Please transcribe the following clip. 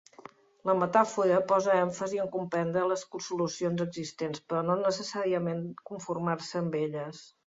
La metàfora posa èmfasi en comprendre les solucions existents, però no necessàriament conformar-se amb elles.